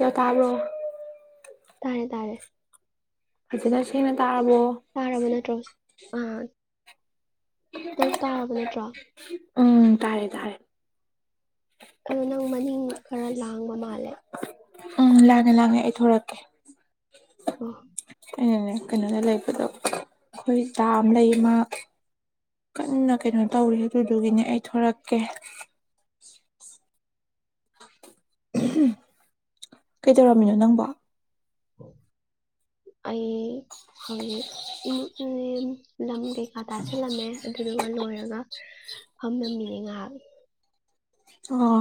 ꯌꯥ ꯇꯕꯣ ꯇꯥꯔꯦ ꯇꯥꯔꯦ ꯑꯗꯨꯆꯗ ꯁꯤ ꯍꯥꯥ ꯔꯃꯅꯥ ꯇ ꯔꯣꯁ ꯑꯥ ꯅꯪ ꯀꯥꯔꯕ ꯅꯠꯇ꯭ꯔꯣ ꯎꯝ ꯇꯥꯔꯦ ꯇꯥꯔꯦ ꯑꯗꯣ ꯅꯪ ꯃꯅꯤꯡ ꯈꯔ ꯂꯥꯡꯕ ꯃꯥꯜꯂꯦ ꯎꯝ ꯂꯥꯡꯉꯦ ꯂꯥꯡꯉꯦ ꯑꯩ ꯊꯣꯛꯣꯔꯛꯀꯦ ꯑ ꯩꯅꯅꯦ ꯀꯩꯅꯣꯗ ꯂꯩꯕꯗꯣ ꯑꯩꯈꯣꯏ ꯗꯥ ꯑꯃ ꯂꯩ ꯃꯥ ꯀꯟꯅ ꯀꯩꯅꯣ ꯇꯧꯔꯤ ꯑꯗꯨꯗꯨꯒꯤꯅꯦ ꯑꯩ ꯊꯣꯔꯛꯀꯦ ꯀꯩꯗꯧꯔꯝꯃꯤꯅꯣ ꯅꯪꯕ ꯑꯩ ꯍꯧꯖꯤꯛꯃ ꯂꯝ ꯀꯩꯀꯥ ꯇꯥꯥꯁꯜꯂꯝꯃꯦ ꯑꯗꯨꯗꯨꯒ ꯂꯣꯏꯔꯒ ꯐꯝꯂꯝꯃꯤꯅꯦ ꯉꯥꯏꯍꯥꯛ ꯑꯣ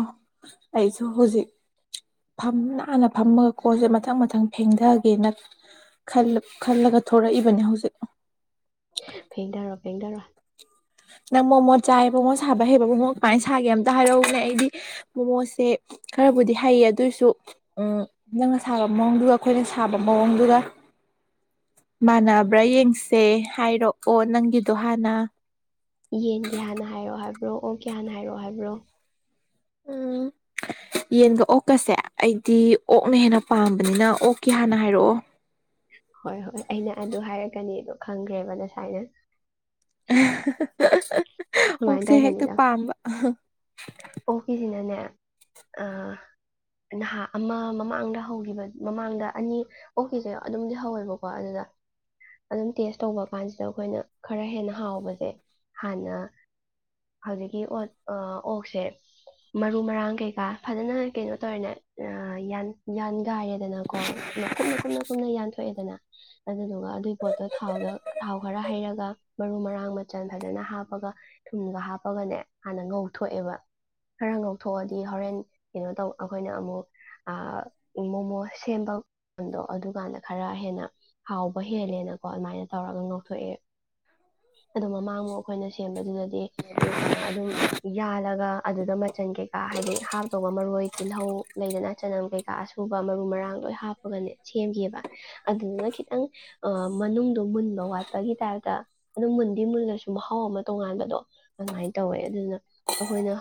ꯑꯩꯁꯨ ꯍꯧꯖꯤꯛ ꯐꯝ ꯅꯥꯟꯅ ꯐꯝꯃꯒ ꯀꯣꯟꯁꯦ ꯃꯊꯪ ꯃꯊꯪ ꯐꯦꯡꯊꯒꯦꯅ ꯈꯜꯂꯒ ꯊꯣꯔꯛꯏꯕꯅꯦ ꯍꯧꯖꯤꯛ ꯐꯦꯡꯒꯔꯣ ꯐꯦꯒꯔꯣ ꯅꯪ ꯃꯣꯃꯣ ꯆꯥꯏ ꯃꯣꯃꯣ ꯁꯥꯕ ꯍꯩꯕ ꯃꯣꯃꯣ ꯀꯃꯥꯏꯅ ꯁꯥꯒꯦ ꯑꯝꯇ ꯍꯥꯏꯔꯛꯎꯅꯦ ꯑꯩꯗꯤ ꯃꯣꯃꯣꯁꯦ ꯈꯔꯕꯨꯗꯤ ꯍꯩꯌꯦ ꯑꯗꯨꯑꯣꯏꯁꯨ ꯅꯪꯅ ꯁꯥꯕ ꯃꯑꯣꯡꯗꯨꯒ ꯑꯩꯈꯣꯏꯅ ꯁꯥꯕ ꯃꯑꯣꯡꯗꯨꯒ ꯃꯥꯟꯅꯕ꯭ꯔꯥ ꯌꯦꯡꯁꯦ ꯍꯥꯏꯔꯛꯑꯣ ꯅꯪꯒꯤꯗꯣ ꯍꯥꯟꯅ ꯌꯦꯟꯒꯦ ꯍꯥꯟꯅ ꯍꯥꯏꯔꯛꯑꯣ ꯍꯥꯏꯕ꯭ꯔꯣ ꯑꯣ ꯀꯦ ꯍꯥꯟꯅ ꯍꯥꯏꯔꯛꯑꯣ ꯍꯥꯏꯕ꯭ꯔꯣ ꯎꯝ ꯌꯦꯟꯒ ꯑꯣꯛꯀꯁꯦ ꯑꯩꯗꯤ ꯑꯣꯛꯅ ꯍꯦꯟꯅ ꯄꯥꯝꯕꯅꯤꯅ ꯑꯣꯛꯀꯤ ꯍꯥꯟꯅ ꯍꯥꯏꯔꯛꯑꯣ ꯍꯣꯏ ꯍꯣꯏ ꯑꯩꯅ ꯑꯗꯨ ꯍꯥꯏꯔꯛꯀꯅꯤꯗꯣ ꯈꯪꯈ꯭ꯔꯦꯕ ꯉꯁꯥꯏꯅ ꯁꯨꯃꯥꯏꯅ ꯑꯣꯛꯁꯦ ꯍꯦꯛꯇ ꯇꯧꯕꯅꯤꯗ ꯄꯥꯝꯕ ꯑꯣꯛꯀꯤꯁꯤꯅꯅꯦ ꯅꯍꯥ ꯑꯃ ꯃꯃꯥꯡꯗ ꯍꯧꯈꯤꯕ ꯃꯃꯥꯡꯗ ꯑꯅꯤ ꯑꯣꯛꯀꯤꯁꯦ ꯑꯗꯨꯝꯗꯤ ꯍꯧꯋꯦꯕꯀꯣ ꯑꯗꯨꯗ ꯑꯗꯨꯝ ꯇꯦꯁ ꯇꯧꯕ ꯀꯥꯟꯁꯤꯗ ꯑꯩꯈꯣꯏꯅ ꯈꯔ ꯍꯦꯟꯅ ꯍꯥꯎꯕꯁꯦ ꯍꯥꯟꯅ ꯍꯧꯖꯤꯛꯀꯤ ꯑꯣꯠ ꯑꯣꯛꯁꯦ ꯃꯔꯨ ꯃꯔꯥꯡ ꯀꯩꯀꯥ ꯐꯖꯅ ꯀꯩꯅꯣ ꯇꯧꯔꯦꯅꯦꯟ ꯌꯥ ꯆꯥꯏꯔꯦꯗꯅꯀꯣ ꯀꯨꯞꯅ ꯀꯨꯞꯅ ꯀꯨꯞꯅ ꯌꯥꯟꯊꯣꯛꯑꯦꯗꯅ ꯑꯗꯨꯗꯨꯒ ꯑꯗꯨꯏ ꯄꯣꯠꯇꯣ ꯊꯥꯎꯗ ꯊꯥꯎ ꯈꯔ ꯍꯩꯔꯒ ꯃꯔꯨ ꯃꯔꯥꯡ ꯃꯆꯜ ꯐꯖꯅ ꯍꯥꯞꯄꯒ ꯊꯨꯝꯒ ꯍꯥꯞꯄꯒꯅꯦ ꯍꯥꯟꯅ ꯉꯧꯊꯣꯛꯑꯦꯕ ꯈꯔ ꯉ ꯂꯧꯊꯣꯛꯑꯗꯤ ꯍꯣꯔꯦꯟ ꯀꯩꯅꯣ ꯇꯧ ꯑꯩꯈꯣꯏꯅ ꯑꯃꯨꯛ ꯃꯣꯃꯣ ꯁꯦꯝꯕ ꯗꯣ ꯑꯗꯨꯀꯥꯟꯗ ꯈꯔ ꯍꯦꯟꯅ ꯍꯥꯎꯕ ꯍꯦꯜꯂꯦꯅꯀꯣ ꯑꯗꯨꯃꯥꯏꯅ ꯇꯧꯔꯒ ꯉꯥꯛꯊꯣꯛꯑꯦ ꯑꯗꯣ ꯃꯃꯥꯡꯉꯣ ꯑꯩꯈꯣꯏꯅ ꯁꯦꯝꯕꯗꯨꯗꯗꯤ ꯑꯗꯨꯝ ꯌꯥꯜꯂꯒ ꯑꯗꯨꯗ ꯃꯆꯟ ꯀꯩꯀꯥ ꯍꯥꯏꯗꯤ ꯍꯥꯞꯇꯧꯕ ꯃꯔꯣꯏ ꯇꯤꯜꯍꯧ ꯂꯩꯗꯅ ꯆꯅꯝ ꯀꯩꯀꯥ ꯑꯁꯨꯨꯕ ꯃꯔꯨ ꯃꯔꯥꯡ ꯂꯣꯏ ꯍꯥꯞꯄꯒꯅꯦ ꯁꯦꯝꯈꯤꯕꯕ ꯑꯗꯨꯗꯨꯅ ꯈꯤꯇꯪ ꯃꯅꯨꯡꯗꯣ ꯃꯨꯟꯕ ꯋꯥꯠꯄꯒꯤ ꯇꯥꯏꯞꯇ ꯑꯗꯨꯝ ꯃꯨꯟꯗꯤ ꯃꯨꯜꯂꯁꯨ ꯃꯍꯥꯎ ꯑꯃ ꯇꯣꯉꯥꯟꯕꯗꯣ ꯑꯗꯨꯃꯥꯏꯅ ꯇꯧꯋꯦ ꯑꯗꯨꯅ ꯑꯩꯈꯣꯏꯅ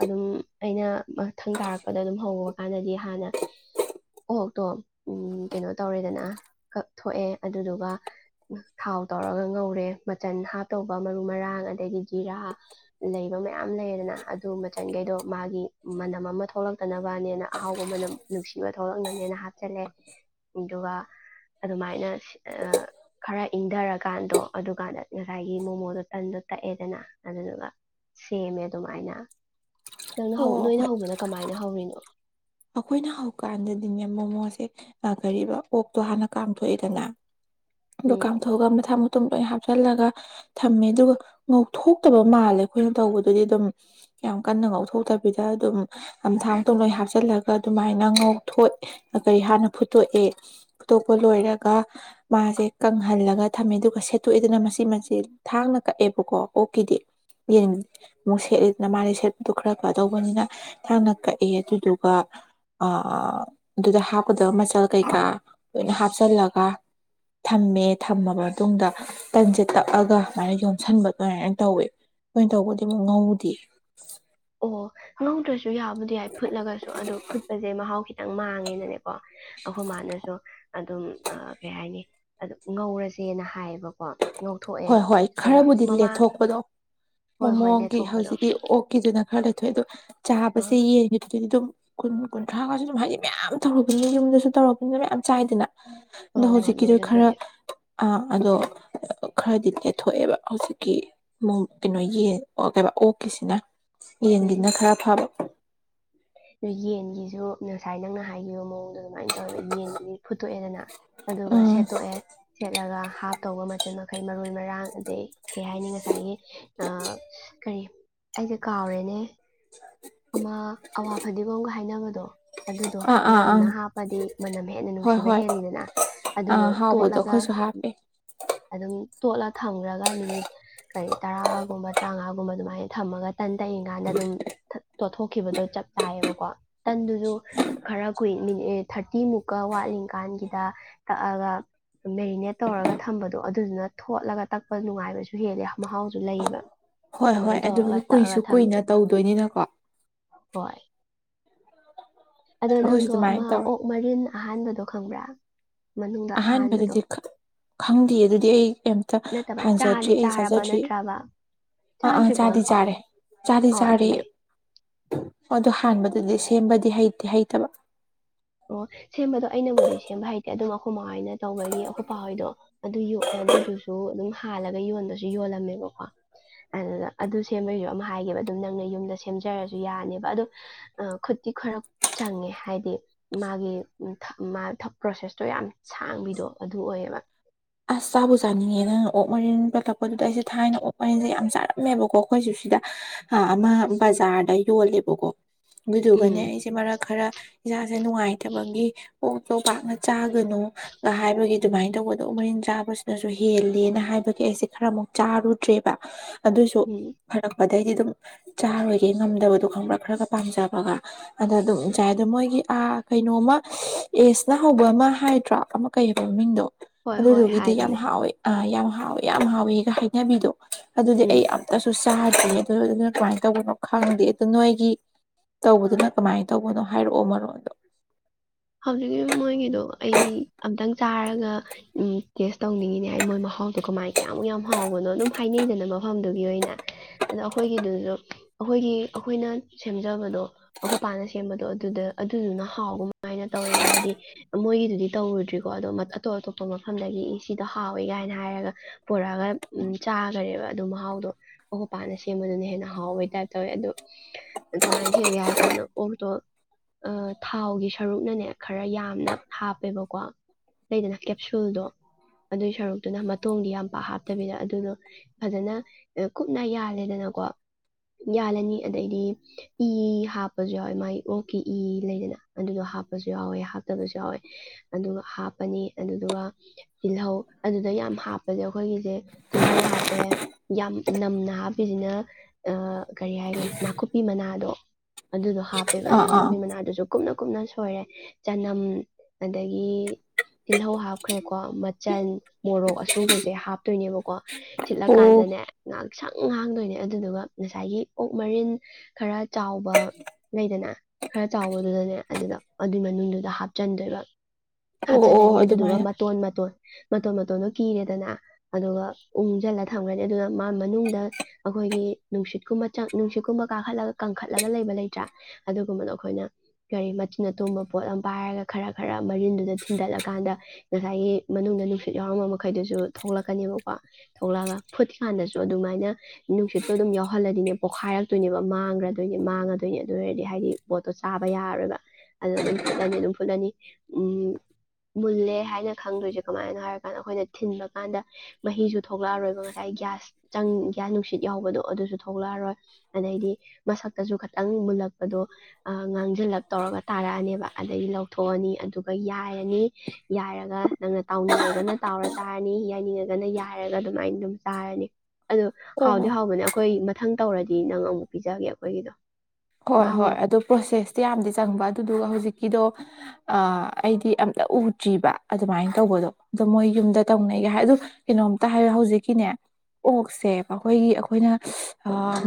ꯑꯗꯨꯝ ꯑꯩꯅ ꯃꯊꯪ ꯇꯥꯔꯛꯄꯗ ꯑꯗꯨꯝ ꯍꯧꯕ ꯀꯥꯟꯗꯗꯤ ꯍꯥꯟꯅ ꯑꯣꯛꯇꯣ ꯀꯩꯅꯣ ꯇꯧꯔꯦꯗꯅ ꯀꯛꯊꯣꯛꯑꯦ ꯑꯗꯨꯗꯨꯒ ꯊꯥꯎ ꯇꯧꯔꯒ ꯉꯧꯔꯦ ꯃꯆꯟ ꯍꯥꯞꯇꯧꯕ ꯃꯔꯨ ꯃꯔꯥꯡ ꯑꯗꯗꯒꯤꯗꯤ ꯖꯤꯔꯥ ꯂꯩꯕ ꯃꯌꯥꯝ ꯂꯩ ꯑꯗꯨ ꯃꯆꯟꯈꯩꯗꯣ ꯃꯥꯒꯤ ꯃꯅꯝ ꯑꯃ ꯊꯣꯛꯂꯛꯇꯅꯕꯅꯦꯅ ꯑꯍꯥꯎꯕ ꯃꯅꯝ ꯅꯨꯡꯁꯤꯕ ꯊꯣꯛꯂꯛꯅꯅꯦꯅ ꯍꯥꯞꯆꯤꯜꯂꯦ ꯑꯗꯨꯒ ꯑꯗꯨꯃꯥꯏꯅ ꯈꯔ ꯏꯪꯊꯔꯀꯥꯟꯗꯣ ꯑꯗꯨꯀꯥꯟꯗ ꯉꯁꯥꯏꯒꯤ ꯃꯣꯃꯣꯗꯣ ꯇꯟꯗꯣ ꯇꯛꯑꯦꯗꯅ ꯑꯗꯨꯗꯨꯒ ꯁꯦꯝꯃꯦ ꯑꯗꯨꯃꯥꯏꯅ ꯅꯪꯅ ꯑꯣ ꯅꯣꯏꯅ ꯑꯩꯈꯣꯏ ꯍꯧꯕꯅ ꯀꯃꯥꯏꯅ ꯍꯧꯔꯤꯅꯣ ꯑꯩꯈꯣꯏꯅ ꯍꯧꯀꯥꯟꯗꯗꯤꯅꯦ ꯃꯣꯃꯣꯁꯦ ꯅꯥꯈꯔꯤꯕ ꯑꯣꯛꯇꯣ ꯍꯥꯟꯅ ꯀꯥꯝꯊꯣꯛꯑꯦꯗꯅ ꯂꯣ ꯎꯝ ꯀꯥꯝꯊ ꯊꯣꯛꯑꯒ ꯃꯊꯥ ꯃ ꯑꯗꯨꯝ ꯂꯣꯏ ꯍꯥꯞꯆꯤꯜꯂꯒ ꯊꯝꯃꯦ ꯑꯗꯨꯒ ꯉꯧꯊꯣꯛꯇꯕ ꯃꯥꯜꯂꯦ ꯑꯩꯈꯣꯏꯅ ꯇꯧꯕꯗꯨꯗꯤ ꯑꯗꯨꯝ ꯌꯥꯝ ꯀꯟꯅ ꯉꯧꯊꯣꯛꯇꯕꯤꯗ ꯑꯗꯨꯝ ꯅꯝꯊꯥꯇ ꯂꯣꯏ ꯍꯥꯞꯆꯜꯂꯒ ꯑꯗꯨꯃꯥꯏꯅ ꯉꯧꯊꯣꯛ ꯀꯔꯤ ꯍꯥꯟꯅ ꯐꯨꯠꯇꯣꯛꯑꯦ ꯐꯨꯠꯇꯣꯛꯄ ꯂꯣꯏꯔꯒ ꯃꯥꯁꯦ ꯀꯪꯍꯜꯂꯒ ꯊꯝꯃꯦ ꯑꯗꯨꯒ ꯁꯦꯠꯇꯣꯛꯑꯦꯗꯅ ꯃꯁꯤ ꯃꯁꯦ ꯊꯥꯡꯅ ꯀꯛꯑꯦꯕꯀꯣ ꯑꯣꯛꯀꯤꯗꯤ ꯌꯦ ꯑꯃꯨꯛ ꯁꯦꯠꯂꯤꯦꯗꯅ ꯃꯥꯁꯦ ꯁꯦꯠꯄꯗ ꯈꯔ ꯀꯗꯧꯕꯅꯤꯅ ꯊꯥꯡꯅ ꯀꯛꯑꯦ ꯑꯗꯨꯗꯨꯒ ꯑ ꯑꯗꯨꯗ ꯍꯥꯞꯀꯗꯕ ꯃꯆꯜ ꯀꯩꯀꯥ ꯂꯣꯏꯅ ꯍꯥꯞꯆꯜꯂꯒ ꯊꯝꯃꯦ ꯊꯝꯃꯕ ꯃꯇꯨꯡꯗ ꯇꯟꯁꯦ ꯇꯛꯑꯒ ꯑꯗꯨꯨꯃꯥꯏꯅ ꯌꯣꯝꯁꯤꯟꯕ ꯑꯗꯨꯃꯥꯏꯅ ꯇꯧꯋꯦ ꯂꯣꯏꯅ ꯇꯧꯕꯗꯤ ꯑꯃꯨꯛ ꯉꯧꯗꯦ ꯑꯣ ꯉ ꯇꯣꯏ ꯨ ꯌꯥꯎꯕꯨꯗꯤ ꯌꯥꯏ ꯐꯨꯠꯂꯒꯁꯨ ꯑꯗꯨ ꯐꯨꯠꯄꯁꯦ ꯃꯍꯥꯎ ꯈꯤꯇꯪ ꯃꯥꯡꯉꯦꯅꯅꯦꯀꯣ ꯑꯩꯈꯣꯏ ꯃꯥꯅꯁꯨ ꯑꯗꯨꯝ ꯀꯩ ꯍꯥꯏꯅꯤ ꯑꯗꯨ ꯉꯧꯔꯁꯦꯅ ꯍꯥꯏꯌꯦꯕꯀꯣ ꯉꯧꯊꯣꯛꯑꯦ ꯍꯣꯏ ꯍꯣꯏ ꯑꯗꯣ ꯈꯔꯕꯨꯗꯤ ꯃꯃꯥꯡ ꯂꯦꯊꯣꯛꯄꯗꯣ ꯍꯣꯏ ꯍꯣꯏ ꯃꯣꯃꯣꯒꯤ ꯂꯦꯊꯣꯛꯄꯗꯣ ꯍꯧꯖꯤꯛꯀꯤ ꯑꯣꯛꯀꯤꯗꯨꯅ ꯍꯥꯏ ꯊꯣꯏ ꯑꯗꯨ ꯑꯥ ꯆꯥꯕꯁꯦ ꯌꯦꯡꯉꯦ ꯑꯗꯨꯗꯤ ꯑꯗꯨꯝ ꯀꯨꯟ ꯀꯨꯟꯊ꯭ꯔꯥꯒꯁꯨ ꯑꯗꯨꯝ ꯍꯥꯏꯗꯤ ꯃꯌꯥꯝ ꯇꯧꯔꯛꯄꯅꯤ ꯌꯨꯝꯗꯁꯨ ꯇꯧꯔꯛꯄꯅꯤꯅ ꯃꯌꯥꯝ ꯆꯥꯏꯗꯅ ꯑꯗ ꯉꯧ ꯉꯝꯃꯦ ꯍꯧꯖꯤꯛꯀꯤꯗ ꯈꯔ ꯑꯗꯨꯕꯨꯗꯤ ꯑ ꯑꯗꯣ ꯈꯔꯗꯤ ꯂꯦꯊꯣꯛꯑꯦꯕ ꯍꯧꯖꯤꯛꯀꯤꯨꯡ ꯀꯩꯅꯣ ꯌꯦꯟ ꯀꯩ ꯑꯣꯛꯀꯤꯁꯤꯅ ꯌꯦꯟꯒꯤꯅ ꯈꯔ ꯐꯥꯕ ꯑ ꯌꯦꯟꯒꯤꯁꯨ ꯉꯁꯥꯏ ꯅꯪꯅ ꯍꯥꯏꯈꯤꯕꯌ ꯃꯑꯣꯡ ꯑꯗꯨ ꯑꯗꯨꯃꯥꯏꯅ ꯇꯧꯋꯦꯕ ꯌꯦꯟꯁꯤꯗꯤ ꯐꯨꯠꯇꯣꯛꯑꯦꯗꯅ ꯑꯗꯨꯒ ꯎꯝ ꯁꯦꯠꯇꯣꯛꯑꯦ ꯁꯦꯠꯂꯒ ꯍꯥꯞ ꯇꯧꯕ ꯃꯆꯜ ꯃꯈꯩ ꯃꯔꯣꯏ ꯃꯔꯥꯡ ꯑꯗꯩ ꯀꯩ ꯍꯥꯏꯅꯤ ꯉꯁꯥꯏꯒꯤ ꯑ ꯀꯔꯤ ꯑꯩꯁ ꯀꯥꯎꯔꯦꯅꯦ ꯑꯃ ꯑꯋꯥ ꯐꯗꯤꯒꯣ ꯑꯃꯒ ꯍꯥꯏꯅꯕꯗꯣ ꯑꯗꯨꯗꯣ ꯑꯥ ꯑꯥ ꯑꯪ ꯅꯝꯅ ꯍꯥꯞꯄꯗꯤ ꯃꯅꯝ ꯍꯦꯟꯅ ꯍꯣꯏ ꯅꯨꯡꯁꯤꯕ ꯍꯣꯏ ꯍꯦꯜꯂꯤꯗꯅ ꯑꯗꯨꯗꯣ ꯑꯥ ꯍꯥꯎꯕꯗꯣ ꯇꯣꯠꯂꯒ ꯑꯩꯈꯣꯏꯁꯨ ꯍꯥꯞꯄꯦ ꯑꯗꯨꯝ ꯇꯣꯠꯂ ꯊꯝꯈ꯭ꯔꯒ ꯃꯤꯅꯤꯠ ꯀꯔꯤ ꯇꯔꯥꯒꯨꯝꯕ ꯇꯔꯥꯃꯉꯥꯒꯨꯝꯕ ꯑꯗꯨꯃꯥꯏꯅ ꯊꯝꯃꯒ ꯇꯟ ꯇꯩꯔꯤꯡꯀꯥꯟꯗ ꯑꯗꯨꯝ ꯇꯣꯠꯊꯣꯛꯈꯤꯕꯗꯣ ꯆꯞ ꯆꯥꯏꯌꯦꯕꯀꯣ ꯇꯟꯗꯨꯁꯨ ꯈꯔ ꯀꯨꯏ ꯃꯤꯅꯤꯠ ꯊꯥꯔꯇꯤ ꯃꯨꯛꯀ ꯋꯥꯠꯂꯤꯀꯥꯟꯒꯤꯗ ꯇꯛꯑꯒ ꯃꯦꯔꯤꯅꯦꯠ ꯇꯧꯔꯒ ꯊꯝꯕꯗꯣ ꯑꯗꯨꯗꯨꯅ ꯊꯣꯠꯂꯒ ꯇꯛꯄ ꯅꯨꯡꯉꯥꯏꯕꯁꯨ ꯍꯦꯜꯂꯦ ꯃꯍꯥꯎꯁꯨ ꯂꯩꯌꯦꯕ ꯍꯣꯏ ꯍꯣꯏ ꯑꯗꯨꯃꯥꯏꯅ ꯑꯗꯨ ꯇꯧꯔꯒ ꯇꯛꯑꯒ ꯀꯨꯏꯁꯨ ꯊꯝꯃꯦ ꯀꯨꯏꯅ ꯇꯧꯗꯣꯏꯅꯤꯅꯀꯣ ꯍꯣꯏ ꯑꯗꯣ ꯑꯩꯈꯣꯏꯁꯨ ꯅꯪꯗꯣ ꯑꯃ ꯑꯗꯨꯃꯥꯏꯅ ꯇꯧꯔꯦ ꯑꯣꯛ ꯃꯔꯤꯟ ꯑꯍꯥꯟꯕꯗꯣ ꯈꯪꯕ꯭ꯔꯥ ꯃꯅꯨꯡꯗ ꯑꯍꯥꯟꯕꯗꯣ ꯑꯍꯥꯟꯕꯗꯗꯤ ꯈꯪꯗꯦ ꯑꯗꯨꯗꯤ ꯑꯩ ꯀꯩꯝꯇ ꯅꯠꯇꯕ ꯍꯥꯟꯖꯗ꯭ꯔꯤ ꯆꯥꯗꯤ ꯑꯩ ꯆꯥꯔꯕ ꯆꯥꯖꯗ꯭ꯔꯤ ꯅꯠꯇ꯭ꯔꯕ ꯑꯥ ꯑꯥ ꯆꯥꯗ꯭ꯔꯤꯕꯣ ꯆꯥꯗꯤ ꯑꯃꯨꯛꯐꯥꯎ ꯆꯥꯔꯦ ꯆꯥꯗꯤ ꯑꯣ ꯆꯥꯔꯦ ꯑꯗꯨꯅꯦ ꯑꯗꯨ ꯍꯥꯟꯕꯗꯗꯤ ꯁꯦꯝꯕꯗꯤ ꯍꯩꯇꯦ ꯍꯩꯇꯕ ꯑꯣ ꯁꯦꯝꯕꯗꯣ ꯑꯩꯅꯕꯨꯗꯤ ꯁꯦꯝꯕ ꯍꯥꯏꯇꯦ ꯑꯗꯨꯝ ꯀꯃꯥꯏꯅ ꯇꯧꯕꯒꯤ ꯑꯩꯈꯣꯏꯄ ꯍꯣꯏꯗꯣ ꯑꯗꯨ ꯑꯗꯨꯗꯨꯁꯨ ꯑꯗꯨꯝ ꯍꯥꯜꯂꯒ ꯌꯣꯟꯕꯁꯨ ꯌꯣꯜꯂꯝꯃꯦꯕꯀꯣ ꯑꯗꯨꯗ ꯑꯗꯨ ꯁꯦꯝꯕꯩꯁꯨ ꯑꯃ ꯍꯥꯏꯒꯦꯕ ꯑꯗꯨꯝ ꯅꯪꯅ ꯌꯨꯝꯗ ꯁꯦꯝꯖꯔꯁꯨ ꯌꯥꯅꯦꯕ ꯑꯗ ꯈꯨꯇꯤꯈꯔ ꯆꯪꯉꯦ ꯍꯥꯏꯗꯤ ꯃꯥꯒꯤ ꯄ꯭ꯔꯣꯁꯦꯁꯇꯣ ꯌꯥꯝ ꯁꯥꯡꯕꯤꯗꯣ ꯑꯗꯨ ꯑꯣꯏꯌꯦꯕ ꯑꯁ ꯆꯥꯕꯨ ꯆꯥꯅꯤꯡꯉꯦ ꯅꯪꯅ ꯑꯣꯛ ꯃꯔꯤꯟ ꯄꯠꯂꯛꯄꯗꯨꯗ ꯑꯩꯁꯦ ꯊꯥꯏꯅ ꯑꯣꯛ ꯃꯔꯤꯟꯁꯦ ꯌꯥꯝ ꯆꯥꯔꯝꯃꯦꯕꯀꯣ ꯑꯩꯈꯣꯏꯁꯨ ꯁꯤꯗ ꯑꯃ ꯕꯖꯥꯔꯗ ꯌꯣꯜꯂꯦꯕꯀꯣ ꯑꯗꯨꯗꯨꯒꯅꯦ ꯎꯝ ꯑꯩꯁꯦ ꯃꯔꯛ ꯈꯔ ꯌꯥꯁꯦ ꯅꯨꯡꯉꯥꯏ ꯍꯥꯏꯗꯕꯒꯤ ꯑꯣꯛꯇꯣ ꯄꯥꯛꯅ ꯆꯥꯒꯅꯨꯒ ꯍꯥꯏꯕꯒꯤ ꯑꯗꯨꯃꯥꯏꯅ ꯇꯧꯕꯒꯗꯣ ꯑꯣꯛ ꯃꯔꯤꯟ ꯆꯥꯕꯁꯤꯅꯁꯨ ꯍꯦꯂꯦꯅ ꯍꯥꯏꯕꯒꯤ ꯑꯩꯁꯦ ꯈꯔꯃꯨꯛ ꯆꯥꯔꯨꯗ꯭ꯔꯦꯕ ꯑꯗꯨꯁꯨ ꯎꯝ ꯐꯔꯛ ꯐꯦ ꯑꯗꯩꯗꯤ ꯑꯗꯨꯝ ꯆꯥꯔꯣꯏꯒꯦ ꯉꯝꯗꯕꯗꯣ ꯈꯪꯕ꯭ꯔꯥ ꯈꯔꯒ ꯄꯥꯝꯖꯕꯒ ꯑꯗ ꯎꯝ. ꯑꯗꯨꯝꯁꯥꯏ ꯑꯗꯣ ꯃꯣꯏꯒꯤ ꯀꯩꯅꯣꯃ ꯑꯦꯖꯅ ꯍꯧꯕ ꯑꯃ ꯍꯥꯏꯗ꯭ꯔꯥ ꯑꯃ ꯀꯩꯑꯕ ꯃꯃꯤꯡꯗꯣ ꯍꯣꯏ ꯍꯣꯏ ꯑꯗꯨꯗꯨꯒꯤꯗꯤ ꯌꯥꯝ ꯍꯥꯏꯕꯅꯦ ꯍꯥꯎꯋꯦ ꯑ ꯌꯥꯝ ꯍꯥꯎꯋꯦ ꯌꯥꯝ ꯍꯥꯎꯋꯦꯒ ꯈꯩꯅꯕꯤꯗꯣ ꯑꯗꯨꯗꯤ ꯑꯩ ꯎꯝ ꯑꯇꯁꯨ ꯆꯥꯗꯦ ꯑꯗꯨ ꯑꯗꯨꯅ ꯀꯃꯥꯏꯅ ꯇꯧꯕꯅꯣ ꯈꯪꯗꯦ ꯑꯗꯨꯗ ꯅꯣꯏꯒꯤ ꯇꯧꯕꯗꯨꯅ ꯀꯃꯥꯏꯅ ꯇꯧꯕꯅꯣ ꯍꯥꯏꯔꯛꯑꯣ ꯃꯔꯣꯟꯗꯣ ꯍꯧꯖꯤꯛꯀꯤ ꯃꯣꯏꯒꯤꯗꯣ ꯑꯩ ꯑꯝꯇꯪ ꯆꯥꯔꯒ ꯇꯦꯁ ꯇꯧꯅꯤꯡꯉꯤꯅꯦ ꯑꯩ ꯃꯣꯏ ꯃꯍꯥꯎꯗꯣ ꯀꯃꯥꯏ ꯀꯌꯥꯃꯨꯛ ꯌꯥꯝ ꯍꯥꯎꯕꯅꯣ ꯑꯗꯨꯝ ꯍꯥꯏꯅꯩꯗꯅ ꯃꯐꯝꯗꯨꯒꯤ ꯑꯣꯏꯅ ꯑꯗꯣ ꯑꯩꯈꯣꯏꯒꯤꯗꯨꯁꯨ ꯑꯩꯈꯣꯏꯒꯤ ꯑꯩꯈꯣꯏꯅ ꯁꯦꯝꯖꯕꯗꯣ ꯑꯩꯣꯄꯥꯅ ꯁꯦꯝꯕꯗꯣ ꯑꯗꯨꯗ ꯑꯗꯨꯗꯨꯅ ꯍꯥꯎꯕ ꯁꯃꯥꯏꯅ ꯇꯧꯋꯦꯕ ꯍꯥꯏꯗꯤ ꯃꯣꯏꯒꯤꯗꯨꯗꯤ ꯇꯧꯔꯨꯗ꯭ꯔꯤꯀꯣ ꯑꯗꯣ ꯑꯇꯣꯞ ꯑꯇꯣꯞꯄ ꯃꯐꯝꯗꯒꯤ ꯁꯤꯗꯣ ꯍꯥꯎꯋꯦ ꯀꯥꯏꯅ ꯍꯥꯏꯔꯒ ꯄꯨꯔꯛꯑꯒ ꯆꯥꯈꯔꯦꯕ ꯑꯗꯨꯣ ꯃꯍꯥꯎꯗꯣ ꯑꯣꯄꯅ ꯁꯦꯝꯕꯗꯨꯅ ꯍꯦꯟꯅ ꯍꯥꯎꯕꯩ ꯇꯥꯏꯞ ꯇꯧꯋꯦ ꯑꯗꯨ ꯀꯃꯥꯏꯅ ꯁꯦꯝꯒꯦ ꯍꯥꯏ ꯀꯥꯟꯗ ꯑꯣꯔꯛꯇꯣ ꯊꯥꯎꯒꯤ ꯁꯔꯨꯛꯅꯅꯦ ꯈꯔ ꯌꯥꯝꯅ ꯍꯥꯞꯄꯦꯕꯀꯣ ꯂꯩꯗꯅ ꯀꯦꯞꯁꯨꯜꯗꯣ ꯑꯗꯨꯏ ꯁꯔꯨꯛꯇꯨꯅ ꯃꯇꯣꯡꯗꯤ ꯌꯥꯝ ꯄꯥꯛ ꯍꯥꯞꯇꯕꯤꯗ ꯑꯗꯨꯗꯣ ꯐꯖꯅ ꯀꯨꯞꯅ ꯌꯥꯜꯂꯦꯗꯅꯀꯣ ꯌꯥꯜꯂꯅꯤ ꯑꯗꯩꯗꯤ ꯏ ꯍꯥꯞꯄꯁꯨ ꯌꯥꯎꯋꯦ ꯃꯥꯏ ꯑꯣꯛꯀꯤ ꯏ ꯂꯩꯗꯅ ꯑꯗꯨꯗꯣ ꯍꯥꯞꯄꯁꯨ ꯌꯥꯎꯋꯦ ꯍꯥꯞꯇꯕꯁꯨ ꯌꯥꯎꯋꯦ ꯑꯗꯨꯒ ꯍꯥꯞꯄꯅꯤ ꯑꯗꯨꯗꯨꯒ ꯇꯤꯜꯍꯧ ꯑꯗꯨꯗ ꯌꯥꯝ ꯍꯥꯞꯄꯁꯦ ꯑꯩꯈꯣꯏꯒꯤꯁꯦ ꯇꯤꯜꯍꯧ ꯍꯥꯞꯄꯦ ꯌꯥꯝ ꯅꯝꯅ ꯍꯥꯞꯄꯤꯁꯤꯅ ꯑ ꯀꯔꯤ ꯍꯥꯏꯈꯔꯦ ꯅꯥꯀꯨꯞꯄꯤ ꯃꯅꯥꯗꯣ ꯑꯗꯨꯗꯣ ꯍꯞꯄꯦꯕꯥ ꯅꯥꯛꯀꯨꯄꯤ ꯃꯅꯥꯗꯨꯁꯨ ꯀꯨꯞꯅ ꯀꯨꯞꯅ ꯁꯣꯏꯔꯦ ꯆꯅꯝ ꯑꯗꯒꯤ ꯇꯤꯜꯂꯧ ꯍꯥꯞꯈ꯭ꯔꯦꯀꯣ ꯃꯆꯜ ꯃꯣꯔꯣꯛ ꯑꯁꯨꯕꯁꯦ ꯍꯥꯞꯇꯣꯏꯅꯦꯕꯀꯣ ꯑꯣ ꯊꯤꯠꯂꯥꯀꯥꯟꯗꯅꯦ ꯁꯪ ꯍꯥꯡꯗꯣꯏꯅꯦ ꯑꯗꯨꯗꯨꯒ ꯉꯁꯥꯏꯒꯤ ꯑꯣꯛ ꯃꯔꯤꯟ ꯈꯔ ꯆꯥꯎꯕ ꯂꯩꯗꯅ ꯈꯔ ꯆꯥꯎꯕ ꯑꯗꯨꯗꯅꯦ ꯑꯗꯨꯗ ꯑꯗꯨꯏ ꯃꯅꯨꯡꯗꯨꯗ ꯍꯥꯞꯆꯤꯟꯗꯣꯏꯕ ꯑꯣ ꯑꯣ ꯍꯥꯞꯆꯤꯜꯂꯅꯤ ꯑꯗꯨꯗꯨꯒ ꯑꯗꯨꯃꯥꯏꯅ ꯃꯇꯣꯟ ꯃꯇꯣꯟ ꯃꯇꯣꯟ ꯃꯇꯣꯟ ꯅ ꯀꯤꯔꯦꯗꯅ ꯑꯗꯨꯒ ꯎꯪꯁꯤꯜꯂ ꯊꯝꯈ꯭ꯔꯅꯤ ꯑꯗꯨꯅ ꯃꯥ ꯃꯅꯨꯡꯗ ꯑꯩꯈꯣꯏꯒꯤ ꯅꯨꯡꯁꯤꯠꯀꯨꯝꯕ ꯆ ꯅꯨꯡꯁꯤꯠꯀꯨꯝꯕ ꯀꯥꯈꯠꯂꯒ ꯀꯪꯈꯠꯂꯒ ꯂꯩꯕ ꯂꯩꯇ꯭ꯔꯥ ꯑꯗꯨꯒꯨꯝꯕꯗꯣ ꯑꯩꯈꯣꯏꯅ ꯀꯔꯤ ꯃꯆꯤꯟ ꯑꯇꯣꯡꯕ ꯄꯣꯠ ꯑꯃ ꯄꯥꯏꯔꯒ ꯈꯔ ꯈꯔ ꯃꯔꯤꯟꯗꯨꯗ ꯊꯤꯟꯗꯠꯂꯀꯥꯟꯗ ꯉꯁꯥꯏꯒꯤ ꯃꯅꯨꯡꯗ ꯅꯨꯡꯁꯤꯠ ꯌꯥꯎꯔꯝꯕ ꯃꯈꯩꯗꯨꯁꯨ ꯊꯣꯛꯂꯛꯀꯅꯦꯕꯀꯣ ꯊꯣꯛꯂꯛꯑꯒ ꯐꯨꯠꯀꯥꯟꯗꯁꯨ ꯑꯗꯨꯃꯥꯏꯅ ꯅꯨꯡꯁꯤꯠꯇꯣ ꯑꯗꯨꯝ ꯌꯥꯎꯍꯜꯂꯗꯤꯅꯦ ꯄꯣꯛꯈꯥꯏꯔꯛꯇꯣꯏꯅꯦꯕ ꯃꯥꯡꯈ꯭ꯔꯗꯣꯏꯅꯦ ꯃꯥꯡꯉꯗꯣꯏꯅꯦ ꯑꯗꯨ ꯑꯣꯏꯔꯗꯤ ꯍꯥꯏꯗꯤ ꯄꯣꯠꯇꯣꯥꯕ ꯌꯥꯔꯣꯏꯕ ꯑꯗꯨ ꯑꯗꯨꯝ ꯐꯨꯠꯂꯅꯤ ꯑꯗꯨꯝ ꯐꯨꯠꯂꯅꯤ ꯎꯝ ꯃꯨꯜꯂꯦ ꯍꯥꯏꯅ ꯈꯪꯗꯣꯏꯁꯦ ꯀꯃꯥꯏꯅꯣ ꯍꯥꯏꯔꯀꯥꯟꯗ ꯑꯩꯈꯣꯏꯅ ꯊꯤꯟꯕ ꯀꯥꯟꯗ ꯃꯍꯤꯁꯨ ꯊꯣꯛꯂꯛꯑꯔꯣꯏꯕ ꯉꯁꯥꯏ ꯒ꯭ꯌꯥꯁ ꯆ ꯒ꯭ꯌꯥꯁ ꯅꯨꯡꯁꯤꯠ ꯌꯥꯎꯕꯗꯣ ꯑꯗꯨꯁꯨ ꯊꯣꯛꯂꯛꯑꯔꯣꯏ ꯑꯗꯩꯗꯤ ꯃꯁꯛꯇꯁꯨ ꯈꯤꯇꯪ ꯃꯨꯜꯂꯛꯄꯗꯣ ꯍꯜꯂꯞ ꯇꯧꯔꯒ ꯇꯥꯔꯛꯑꯅꯦꯕ ꯑꯗꯗꯒꯤ ꯂꯧꯊꯣꯛꯑꯅꯤ ꯑꯗꯨꯒ ꯌꯥꯏꯔꯅꯤ ꯌꯥꯏꯔꯒ ꯅꯪꯅ ꯇꯥꯎꯅꯤꯡꯉꯒꯅ ꯇꯥꯎꯔ ꯆꯥꯔꯅꯤ ꯌꯥꯏꯅꯤꯡꯉꯒꯅ ꯌꯥꯏꯔꯒ ꯑꯗꯨꯃꯥꯏꯅ ꯑꯗꯨꯝ ꯆꯥꯔꯅꯤ ꯑꯗꯣ ꯑꯣ ꯍꯣ ꯍꯥꯎꯗꯤ ꯍꯥꯎꯕꯅꯦ ꯑꯩꯈꯣꯏ ꯃꯊꯪ ꯇꯧꯔꯗꯤ ꯅꯪ ꯑꯃꯨꯛ ꯄꯤꯖꯒꯦ ꯑꯩꯈꯣꯏꯒꯤꯗꯣ ꯍꯣꯏ ꯃꯍꯥꯎ ꯍꯣꯏ ꯌꯦꯡꯉꯨ ꯑꯗꯨꯣ ꯄ꯭ꯔꯣꯁꯦꯁꯇꯤ ꯌꯥꯝꯗꯤ ꯆꯪꯕ ꯑꯗꯨꯗꯨꯒ ꯍꯧꯖꯤꯛꯀꯤꯗꯣ ꯑꯩꯗꯤ ꯑꯝꯇ ꯎꯗ꯭ꯔꯤꯕ ꯑꯗꯨꯃꯥꯏꯅ ꯇꯧꯕꯗꯣ ꯑꯗꯣ ꯃꯣꯏ ꯌꯨꯝꯗ ꯇꯧꯅꯩꯒ ꯍꯥꯏ ꯑꯗꯣ ꯀꯩꯅꯣꯝꯇ ꯍꯥꯏꯌ ꯍꯧꯖꯤꯛꯀꯤꯅꯦ ꯑꯣꯛꯁꯦ ꯑꯩꯈꯣꯏꯒꯤ ꯑꯩꯈꯣꯏꯅ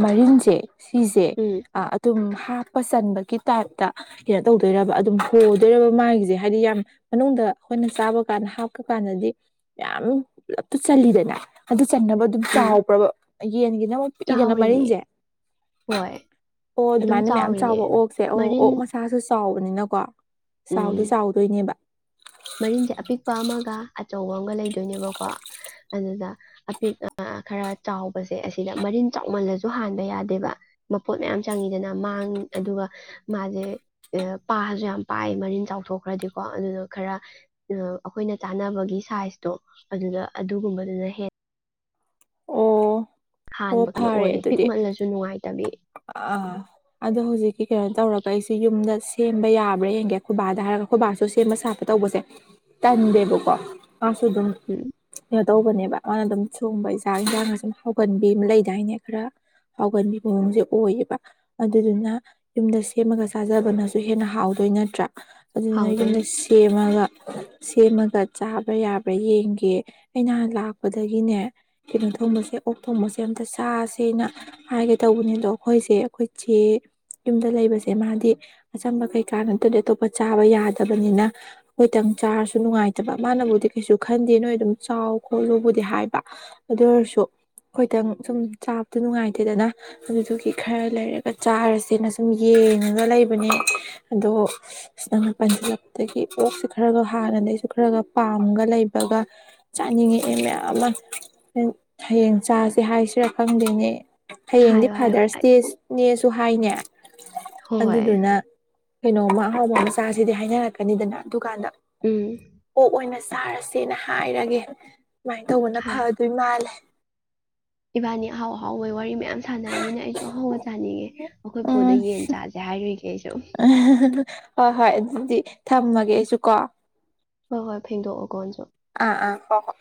ꯃꯔꯤꯟꯁꯦ ꯁꯤꯁꯦ ꯎꯝ ꯑꯗꯨꯝ ꯍꯥꯞꯄ ꯆꯟꯕꯒꯤ ꯇꯥꯏꯞꯇ ꯀꯩꯅꯣ ꯇꯧꯗꯣꯏꯔꯕ ꯑꯗꯨꯝ ꯍꯣꯗꯣꯏꯔꯕ ꯃꯥꯒꯤꯁꯦ ꯍꯥꯏꯗꯤ ꯌꯥꯝ ꯃꯅꯨꯡꯗ ꯑꯩꯈꯣꯏꯅ ꯆꯥꯕ ꯀꯥꯟꯗ ꯍꯥꯞꯄꯀꯥꯟꯗꯗꯤ ꯃꯌꯥꯝ ꯄꯨꯂꯞꯇ ꯆꯜꯂꯤꯜꯂꯤꯗꯅ ꯆꯟꯅꯕ ꯑꯗꯨꯝ ꯎꯝ ꯆꯥꯎꯕ꯭ꯔꯕ ꯌꯦꯟꯒꯤꯅ ꯑꯃꯨ ꯄꯤꯛꯏꯗꯅ ꯆꯥꯎꯔꯤꯅꯦ ꯃꯔꯤꯟꯁꯦ ꯍꯣꯏ ꯑꯗꯨꯝ ꯑꯗꯨꯃꯥꯏꯅ ꯃꯌꯥꯝ ꯆꯥꯎꯔꯤꯅꯦ ꯆꯥꯎꯕ ꯑꯣꯛꯁꯦ ꯑꯣ ꯃꯔꯤꯟ ꯑꯣꯛ ꯃꯁꯥꯁꯨ ꯆꯥꯎꯕꯅꯤꯅꯀꯣ ꯆꯥꯎꯗꯤ ꯎꯝ ꯆꯥꯎꯗꯣꯏꯅꯦꯕ ꯃꯔꯤꯟꯁꯦ ꯑꯄꯤꯛꯄ ꯑꯃꯒ ꯑꯆꯧꯕ ꯑꯃꯒ ꯂꯩꯗꯣꯏꯅꯦꯕꯀꯣ ꯑꯗꯨꯗ ꯑꯄꯤꯛ ꯈꯔ ꯆꯥꯎꯕꯁꯦ ꯑꯁꯤꯗ ꯃꯔꯤꯟ ꯆꯥꯎꯃꯜꯂꯁꯨ ꯍꯥꯟꯕ ꯌꯥꯗꯦꯕ ꯃꯄꯣꯠ ꯃꯌꯥꯝ ꯆꯪꯉꯤꯗꯅ ꯃꯥꯡ ꯑꯗꯨꯒ ꯃꯥꯁꯦ ꯄꯥꯁꯨ ꯌꯥꯝ ꯄꯥꯏ ꯃꯔꯤꯟ ꯆꯥꯎꯊꯣꯛꯈ꯭ꯔꯗꯤꯀꯣ ꯑꯗꯨꯅ ꯈꯔ ꯑꯩꯈꯣꯏꯅ ꯆꯥꯅꯕꯒꯤ ꯁꯥꯏꯖꯇꯣ ꯑꯗꯨꯗ ꯑꯗꯨꯒꯨꯝꯕꯗꯨꯅ ꯍꯦꯟꯅ ꯑꯣ ꯍꯣ ꯍꯥꯟꯕ ꯀꯩꯅꯣ ꯑꯣꯏꯌꯦ ꯄꯤꯛꯃꯜꯂꯁꯨ ꯅꯨꯡꯉꯥꯏꯇꯕꯤ ꯑ ꯑꯗꯣ ꯍꯧꯖꯤꯛꯀꯤ ꯀꯩꯅꯣ ꯇꯧꯔꯒ ꯑꯩꯁꯤꯒꯤ ꯆꯨꯝꯗ ꯁꯦꯝꯕ ꯌꯥꯕ꯭ꯔꯥ ꯍꯡꯒꯦ ꯈꯣꯏꯕꯥꯗ ꯍꯥꯏꯔꯒ ꯈꯨꯣꯏꯕꯥꯁꯨ ꯁꯦꯝꯕ ꯁꯥꯄ ꯇꯧꯕꯁꯦ ꯇꯟꯗꯦꯕꯀꯣ ꯃꯥꯁꯨ ꯑꯗꯨꯝ ꯎꯝ ꯀꯩꯅꯣ ꯇꯧꯕꯅꯦꯕ ꯃꯥꯅ ꯑꯗꯨꯝ ꯊꯣꯡꯕ ꯏꯟꯥꯡ ꯏꯟꯁꯥꯡꯅ ꯁꯨꯝ ꯍꯥꯎꯒꯟꯕꯤ ꯂꯩꯗꯥꯏꯅꯦ ꯈꯔ ꯍꯥꯎꯒꯟꯕꯤ ꯃꯑꯣꯡꯁꯦ ꯑꯣꯏꯌꯦꯕ ꯑꯗꯨꯗꯨꯅ ꯌꯨꯝꯗ ꯁꯦꯝꯃꯒ ꯆꯥꯖꯕꯅꯁꯨ ꯍꯦꯟꯅ ꯍꯥꯎꯗꯣꯏ ꯅꯠꯇ꯭ꯔꯥ ꯑꯗꯨꯗꯨꯅ ꯍꯥꯎꯗꯣꯏꯅꯦ ꯌꯨꯝꯗ ꯁꯦꯝꯃꯒ ꯁꯦꯝꯃꯒ ꯆꯥꯕ꯭ꯔꯥ ꯌꯥꯕ꯭ꯔꯥ ꯌꯦꯡꯒꯦ ꯑꯩ ꯅꯍꯥꯟ ꯂꯥꯛꯄꯗꯒꯤꯅꯦ ꯀꯩꯅꯣ ꯊꯣꯡꯕꯁꯦ ꯑꯣꯛ ꯊꯣꯡꯕꯁꯦ ꯑꯝꯇ ꯆꯥꯁ ꯍꯥꯏꯒ ꯇꯧꯕꯅꯤꯗꯣ ꯑꯩꯈꯣꯏꯁꯦ ꯑꯩꯈꯣꯏ ꯆꯦ ꯌꯨꯝꯗ ꯂꯩꯕꯁꯦ ꯃꯥꯗꯤ ꯑꯆꯝꯕ ꯀꯩꯀꯥ ꯅꯠꯇ꯭ꯔꯗꯤ ꯑꯇꯣꯞꯄ ꯆꯥꯕ ꯌꯥꯗꯕꯅꯤꯅ ꯑꯩꯈꯣꯏꯇꯪ ꯆꯥꯔꯁꯨ ꯅꯨꯡꯉꯥꯏꯇꯕ ꯃꯥꯅꯕꯨꯗꯤ ꯀꯩꯁꯨ ꯈꯟꯗꯦ ꯅꯣꯏ ꯑꯗꯨꯝ ꯆꯥꯎ ꯈꯣꯠꯂꯨꯕꯨꯗꯤ ꯍꯥꯏꯕ ꯑꯗꯨ ꯑꯣꯏꯔꯁꯨ ꯑꯩꯈꯣꯏꯇꯪ ꯁꯨꯝ ꯆꯥꯕꯗꯤ ꯅꯨꯡꯉꯥꯏꯇꯦꯗꯅ ꯑꯗꯨꯗꯨꯒꯤ ꯈꯔ ꯂꯩꯔꯒ ꯆꯥꯔꯁꯦꯅ ꯁꯨꯝ ꯌꯦꯡꯉꯒ ꯂꯩꯕꯅꯦ ꯑꯗꯣ ꯅꯪꯅ ꯄꯟꯁꯤꯜꯂꯛꯄꯗꯒꯤ ꯑꯣꯛꯁꯦ ꯈꯔꯒ ꯍꯥꯟꯅꯗꯒꯤꯁꯨ ꯈꯔꯒ ꯄꯥꯝꯒ ꯂꯩꯕꯒ ꯆꯥꯅꯤꯡꯉꯛꯑꯦ ꯃꯌꯥꯝ ꯑꯃ ꯍꯌꯦꯡ ꯆꯥꯁꯦ ꯍꯥꯏꯁꯤꯔꯥ ꯈꯪꯗꯦꯅꯦ ꯍꯌꯦꯡꯗꯤ ꯍꯥꯏꯌꯣ ꯍꯥꯏꯌꯣ ꯐꯥꯗꯔꯁ ꯗꯦꯅꯦ ꯑꯗꯨ ꯍꯥꯏꯅꯦ ꯍꯣꯏ ꯑꯗꯨꯗꯨꯅ ꯀꯩꯅꯣꯝꯃ ꯑꯍꯥꯎꯕ ꯃꯆꯥꯁꯤꯗꯤ ꯍꯥꯏꯅꯔꯛꯀꯅꯤꯗꯅ ꯑꯗꯨꯀꯥꯟꯗ ꯎꯝ ꯑꯣ ꯑꯣꯏꯅ ꯑꯣꯏꯅꯁꯤ ꯆꯥꯔꯁꯦꯅ ꯍꯥꯏꯔꯒꯦ ꯁꯨꯃꯥꯏꯅ ꯇꯧꯕꯅ ꯍꯥꯏ ꯐꯗꯣꯏ ꯃꯥꯜꯂꯦ ꯏꯕꯥꯅꯤ ꯑꯍꯥꯎ ꯑꯍꯥꯎꯕꯩ ꯋꯥꯔꯤ ꯃꯌꯥꯝ ꯁꯥꯟꯅꯔꯃꯤꯅ ꯑꯩꯁꯨ ꯑꯍꯥꯎꯕ ꯆꯥꯅꯤꯡꯉꯦ ꯑꯩꯈꯣꯏ ꯄꯨꯣꯗ ꯌꯦꯟ ꯆꯥꯁꯦ ꯍꯥꯏꯔꯨꯏꯒꯦ ꯑꯩꯁꯨ ꯑ ꯍꯣꯏ ꯍꯣꯏ ꯑꯗꯨꯗꯤ ꯊꯝꯃꯒꯦ ꯑꯩꯁꯨ ꯀꯣ ꯍꯣꯏ ꯍꯣꯏ ꯐꯦꯡꯗꯣꯛꯑꯣ ꯀꯣꯟꯁꯨ ꯑꯥ ꯑꯥ ꯍꯣꯣ